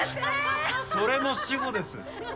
それも死語です。